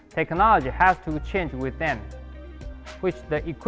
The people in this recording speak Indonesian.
teknologi harus berubah dengan mereka